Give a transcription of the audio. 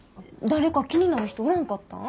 誰か気になる人おらんかったん？